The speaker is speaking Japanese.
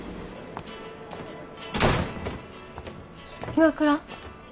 岩倉？